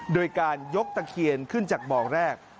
โดยการยกตะเคียนขึ้นจากบ่อแรก